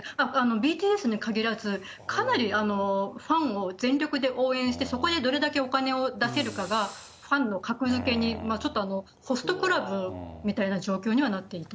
ＢＴＳにかぎらず、かなりファンを全力で応援して、そこでどれだけお金を出せるかが、ファンの格付けに、ちょっとホストクラブみたいな状況にはなっていた。